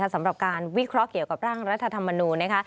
สำหรับการวิเคราะห์เกี่ยวกับร่างรัฐธรรมนูญนะคะ